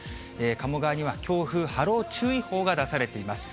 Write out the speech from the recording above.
鴨川には強風波浪注意報が出されています。